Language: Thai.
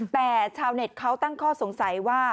แต่ชาวเน็ตเขาตั้งข้อสงสัยว่า